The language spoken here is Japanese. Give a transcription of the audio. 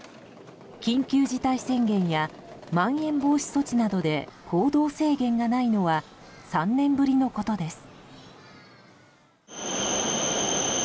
緊急事態宣言やまん延防止措置などで行動制限がないのは３年ぶりのことです。